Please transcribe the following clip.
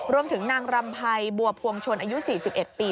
รวมถึงนางรำไพรบัวพวงชนอายุ๔๑ปี